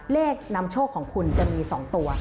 นำโชคของคุณจะมี๒ตัว